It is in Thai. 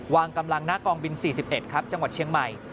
วางกำลังหน้ากองบิน๔๑ครับจังหวัดเชียงใหม่